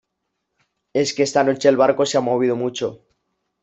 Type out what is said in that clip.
es que esta noche el barco se ha movido mucho.